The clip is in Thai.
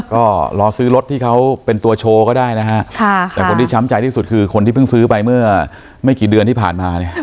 ก็รอซื้อรถที่เขาเป็นตัวโชว์ก็ได้นะฮะค่ะแต่คนที่ช้ำใจที่สุดคือคนที่เพิ่งซื้อไปเมื่อไม่กี่เดือนที่ผ่านมาเนี่ย